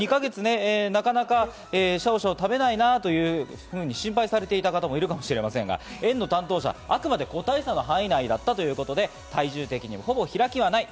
２か月なかなかシャオシャオ食べないなと心配されていた方もいるかもしれませんが、園の担当者は個体差は範囲内だったということで、体重的にはほぼ開きはない。